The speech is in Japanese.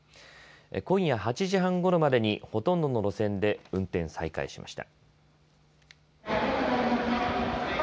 今夜８時半ごろまでにほとんどの路線で運転再開しました。